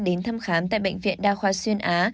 đến thăm khám tại bệnh viện đa khoa xuyên á